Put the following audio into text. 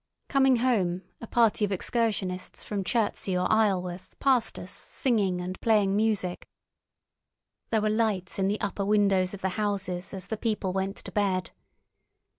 Coming home, a party of excursionists from Chertsey or Isleworth passed us singing and playing music. There were lights in the upper windows of the houses as the people went to bed.